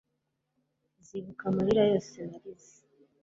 nzibuka amarira yose narize